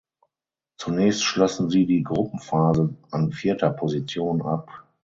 Zunächst schlossen sie die Gruppenphase an vierter Position ab.